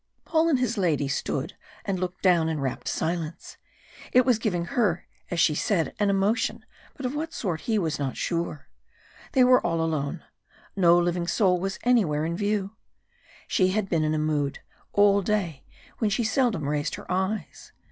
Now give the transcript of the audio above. Paul and his lady stood and looked down in rapt silence. It was giving her, as she said, an emotion, but of what sort he was not sure. They were all alone. No living soul was anywhere in view. She had been in a mood, all day when she seldom raised her eyes.